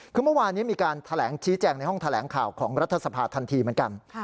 คือเมื่อวานนี้มีการแถลงชี้แจงในห้องแถลงข่าวของรัฐสภาทันทีเหมือนกัน